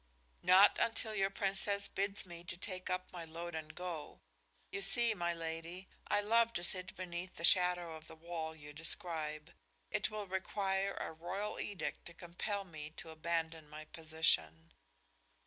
"Not until your Princess bids me take up my load and go. You see, my lady, I love to sit beneath the shadow of the wall you describe. It will require a royal edict to compel me to abandon my position."